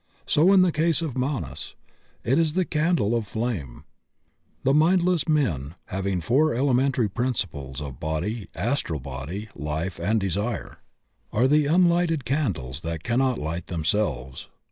So in the case of Manas. It is the candle of flame. The mindless men having four elementary principles of Body, Astral Body, Life and Desire, J 54 THE OCEAN OF THEOSOPHY are the unlighted candles that cannot light themselves.